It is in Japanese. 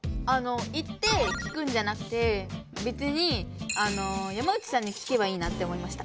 行って聞くんじゃなくてべつにあの山内さんに聞けばいいなって思いました。